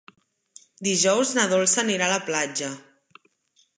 Dijous na Dolça anirà a la platja.